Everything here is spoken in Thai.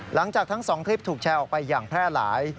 หลังจากทั้ง๒คลิปถูกแชร์ออกไปอย่างแพร่หลาย